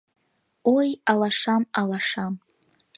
Ой, алашам, алашам